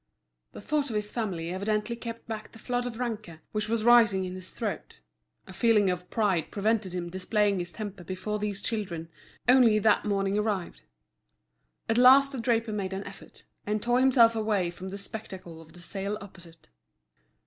The thought of his family evidently kept back the flood of rancour which was rising in his throat A feeling of pride prevented him displaying his temper before these children, only that morning arrived. At last the draper made an effort, and tore himself away from the spectacle of the sale opposite.